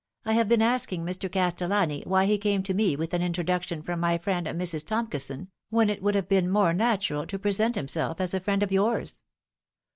" I have been asking Mr. Castellani why he came to me with an introduction from my friend Mrs. Tomkison, when it would have been more natural to present himself as a friend of yours."